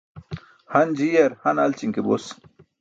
Han ji̇yar han alći̇n ke bos.